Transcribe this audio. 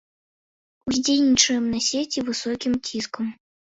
Уздзейнічаем на сеці высокім ціскам.